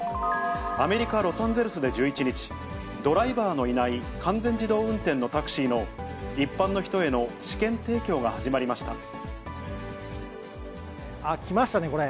アメリカ・ロサンゼルスで１１日、ドライバーのいない完全自動運転のタクシーの一般の人への試験提来ましたね、これ。